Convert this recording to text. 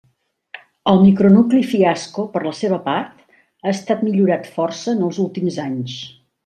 El micronucli Fiasco per la seva part, ha estat millorat força en els últims anys.